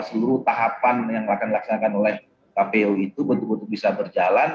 seluruh tahapan yang akan dilaksanakan oleh kpu itu betul betul bisa berjalan